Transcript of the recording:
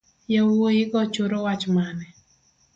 Yawuigo choro wach mane